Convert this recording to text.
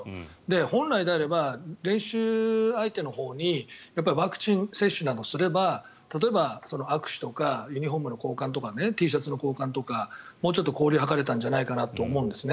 本来であれば練習相手のほうにワクチン接種をしていれば例えば、握手とかユニホームの交換とかＴシャツの交換とかもうちょっと交流を図れたんじゃないかと思うんですね。